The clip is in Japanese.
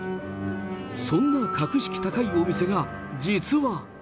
そんな格式高いお店が実は。